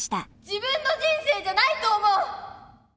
自分の人生じゃないと思う。